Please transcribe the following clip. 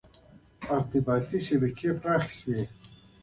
• ارتباطي شبکې پراخې شوې.